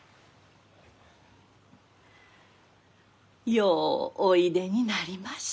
ようおいでになりました。